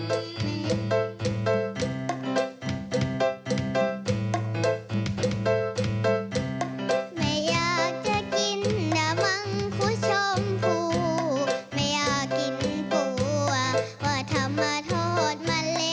ไม่อยากจะกินนะมั้งผู้ชมพู่ไม่อยากกินกลัวว่าถ้ามาโทษมันแล้ว